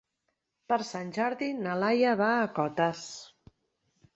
Per Sant Jordi na Laia va a Cotes.